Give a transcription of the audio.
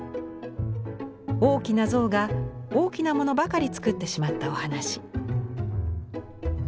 大きな象が大きなものばかり作ってしまったお話。